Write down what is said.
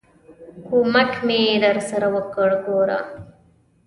ک و م ک مې درسره وکړ، ګوره!